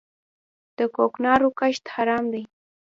د کوکنارو کښت حرام دی؟